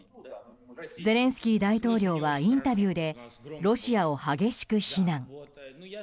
ゼレンスキー大統領はインタビューでロシアを激しく非難。